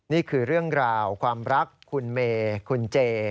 นี่คือเรื่องราวความรักคุณเมย์คุณเจ